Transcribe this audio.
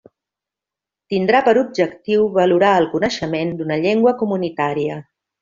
Tindrà per objectiu valorar el coneixement d'una llengua comunitària.